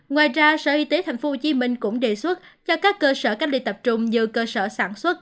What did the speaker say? ngoài ra sở y tế tp hcm cũng đề xuất cho các cơ sở cách ly tập trung như cơ sở sản xuất